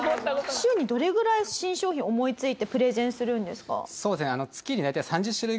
週にどれぐらい新商品を思いついてプレゼンするんですか？